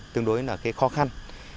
tương đối là cái khó khăn